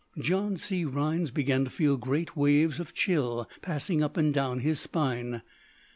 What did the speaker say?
John C. Rhinds began to feel great waves of chill passing up and down his spine.